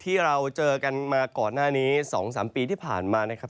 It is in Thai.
ที่เราเจอกันมาก่อนหน้านี้๒๓ปีที่ผ่านมานะครับ